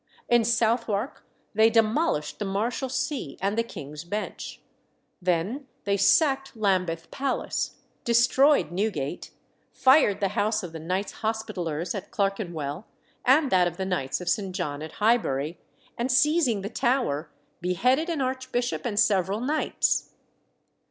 In Southwark they demolished the Marshalsea and the King's Bench; then they sacked Lambeth Palace, destroyed Newgate, fired the house of the Knights Hospitallers at Clerkenwell, and that of the Knights of St. John at Highbury, and seizing the Tower, beheaded an archbishop and several knights.